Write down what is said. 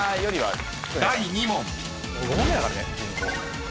［第２問］